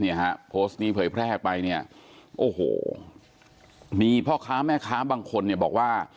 ฮะโพสต์นี้เผยแพร่ไปเนี่ยโอ้โหมีพ่อค้าแม่ค้าบางคนเนี่ยบอกว่า